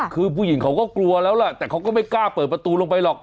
คือผู้หญิงเขาก็กลัวแล้วแหละแต่เขาก็ไม่กล้าเปิดประตูลงไปหรอก